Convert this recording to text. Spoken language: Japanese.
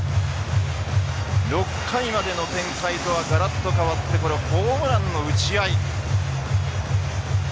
６回までの展開とはがらっと変わってホームランの打ち合い。